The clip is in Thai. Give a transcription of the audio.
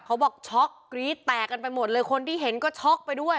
บอกช็อกกรี๊ดแตกกันไปหมดเลยคนที่เห็นก็ช็อกไปด้วย